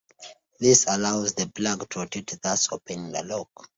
This allows the plug to rotate, thus opening the lock.